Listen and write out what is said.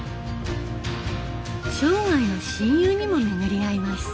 生涯の親友にも巡り合います。